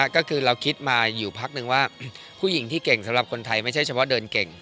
ก็คือเราคิดมาอยู่พักนึงว่าผู้หญิงที่เก่งสำหรับคนไทยไม่ใช่เฉพาะเดินเก่ง